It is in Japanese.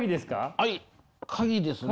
はい鍵ですね。